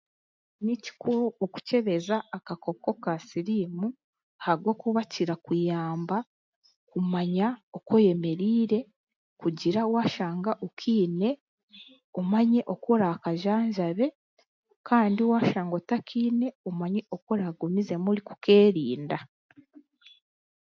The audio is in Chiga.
Ni kikuru okukyebeza akakooko ka siriimu habwokuba kirakuyamba kumanya oku oyemereire, kugira waashanga okiine, omanye oku oraakajanjabe, kandi waashanga otakiine omanye oku oraagumizemu orikukeerinda.